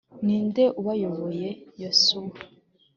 ninde ubayoboye yoshuwa